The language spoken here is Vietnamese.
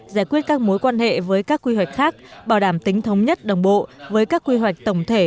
giải quyết các mối quan hệ với các quy hoạch khác bảo đảm tính thống nhất đồng bộ với các quy hoạch tổng thể